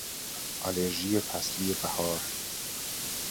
آلرژی فصلی بهار.